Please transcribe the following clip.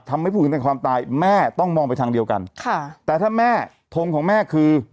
ทำให้ผู้หญิงเป็นความตายแม่ต้องมองไปทางเดียวกันแต่ถ้าแม่ทงของแม่คือ